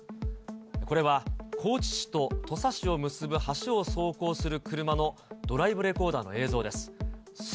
これは高知市と土佐市を結ぶ橋を走行する車のドライブレコーダーの映像です。